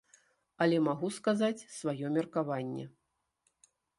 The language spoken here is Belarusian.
Але магу сказаць сваё меркаванне.